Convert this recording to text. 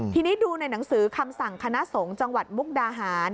ทีนี้ดูในหนังสือคำสั่งคณะสงฆ์จังหวัดมุกดาหาร